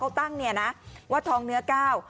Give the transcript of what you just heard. เขาตั้งเนี่ยนะว่าทองเนื้อก้าว